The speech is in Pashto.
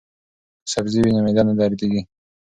که سبزی وي نو معده نه دردیږي.